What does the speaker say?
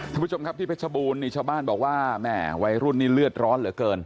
ท่านผู้ชมครับที่เพชรบูรณนี่ชาวบ้านบอกว่าแม่วัยรุ่นนี้เลือดร้อนเหลือเกิน